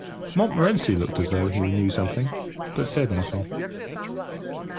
Montmorency looked as if he knew something, but said nothing.